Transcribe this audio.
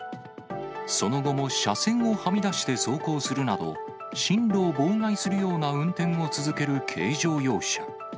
その後も車線をはみ出して走行するなど、進路を妨害するような運転を続ける軽乗用車。